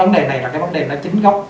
là cái vấn đề đó chính gốc